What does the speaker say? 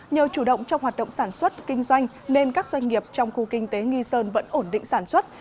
nhờ chủ động trong hoạt động sản xuất kinh doanh nên các doanh nghiệp trong khu kinh tế nghi sơn vẫn ổn định sản xuất